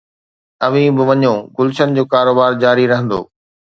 اوهين به وڃو، گلشن جو ڪاروبار جاري رهندو